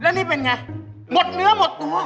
แล้วนี่เป็นไงหมดเนื้อหมดตัว